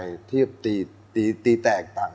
เชฟทำอร่อยนะ